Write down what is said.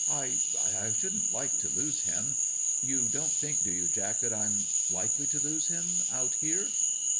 I I shouldn't like to lose him. You don't think, do you, Jack, that I'm likely to lose him, out here